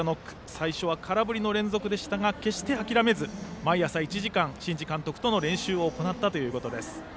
最初は空振りの連続でしたが決して諦めず毎朝１時間、新治監督との練習を行ったということです。